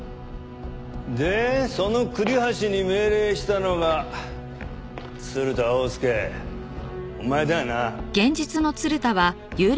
でその栗橋に命令したのが鶴田翁助お前だよな。